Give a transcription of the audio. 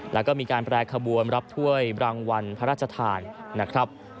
แล้วก็มีการแปรขบวนรับถ้วยรางวัลพระราชทานนะครับ